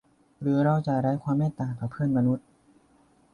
หรือเราจะไร้ความเมตตาต่อเพื่อนมนุษย์